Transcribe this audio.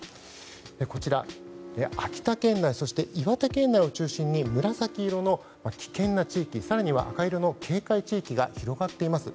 こちら、秋田県内そして岩手県内を中心に紫色の危険な地域更には赤色の警戒地域が広がっています。